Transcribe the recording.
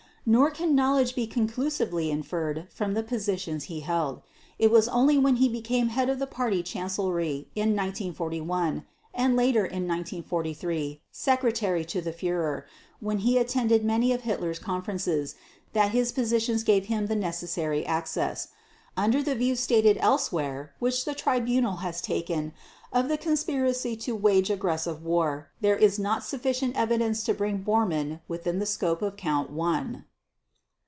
Nor can knowledge be conclusively inferred from the positions he held. It was only when he became head of the Party Chancellery in 1941, and later in 1943 Secretary to the Führer when he attended many of Hitler's conferences, that his positions gave him the necessary access. Under the view stated elsewhere which the Tribunal has taken of the conspiracy to wage aggressive war, there is not sufficient evidence to bring Bormann within the scope of Count One.